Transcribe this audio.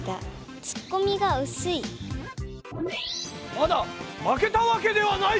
まだ負けたわけではない！